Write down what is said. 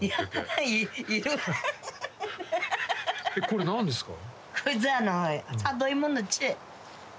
これ何ですか？